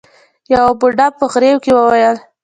يوه بوډا په غريو کې وويل.